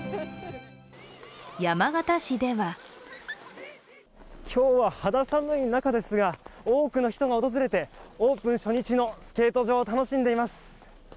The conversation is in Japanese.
山形市では今日は肌寒い中ですが多くの人が訪れてオープン初日のスケート場を楽しんでいます。